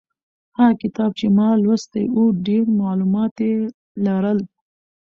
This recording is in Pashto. هغه کتاب چې ما لوستی و ډېر معلومات یې لرل.